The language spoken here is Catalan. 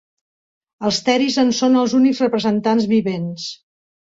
Els teris en són els únics representants vivents.